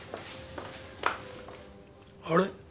あれ？